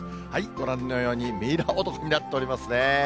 ご覧のように、ミイラ男になっておりますね。